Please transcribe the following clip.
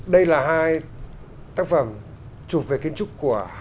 đây là tác phẩm chụp về kiến trúc của